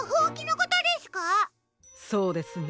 そうですね。